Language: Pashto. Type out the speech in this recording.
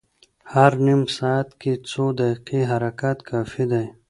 هر نیم ساعت کې څو دقیقې حرکت کافي دی.